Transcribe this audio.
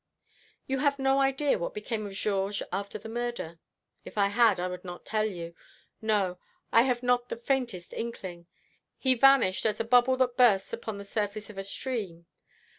"You have no idea what became of Georges after the murder?" "If I had, I would not tell you. No, I have not the faintest inkling. He vanished as a bubble that bursts upon the surface of a stream.